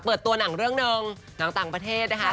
เปิดตัวหนังเรื่องหนึ่งหนังต่างประเทศนะคะ